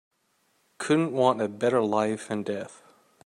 Couldn't want a better life and death.